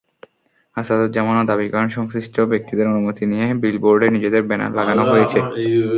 আসাদুজ্জামানও দাবি করেন, সংশ্লিষ্ট ব্যক্তিদের অনুমতি নিয়ে বিলবোর্ডে নিজেদের ব্যানার লাগানো হয়েছে।